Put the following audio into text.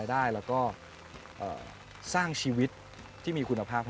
คุณต้องเป็นผู้งาน